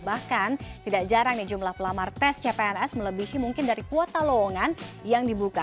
bahkan tidak jarang nih jumlah pelamar tes cpns melebihi mungkin dari kuota lowongan yang dibuka